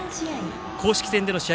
公式戦での試合